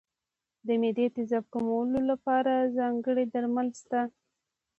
د معدې تېزاب کمولو لپاره ځانګړي درمل شته.